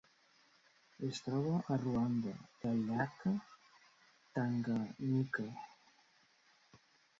Es troba a Ruanda i al llac Tanganyika.